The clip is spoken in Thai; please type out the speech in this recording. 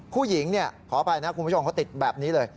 ผู้หญิงขออภัยนะคุณผู้ชมเขาติดแบบนี้เลย